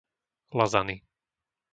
Lazany